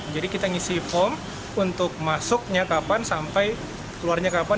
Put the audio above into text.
jadi kita ngisi form untuk masuknya kapan sampai keluarnya kapan